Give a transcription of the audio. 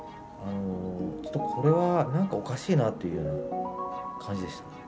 ちょっとこれは、なんかおかしいなっていうような感じでした。